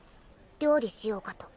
料理しようかと。